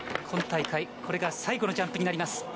今大会これが最後のジャンプになります。